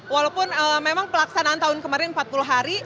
walaupun memang pelaksanaan tahun kemarin empat puluh hari